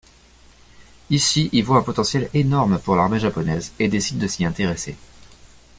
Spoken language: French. Ishii y voit un potentiel énorme pour l'armée japonaise et décide de s'y intéresser.